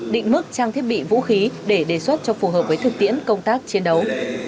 định mức trang thiết bị vũ khí để đề xuất cho phù hợp với thực tiễn công tác chiến đấu